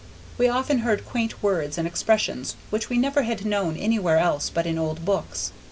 We often heard quaint words and expressions which we never had known anywhere else but in old books.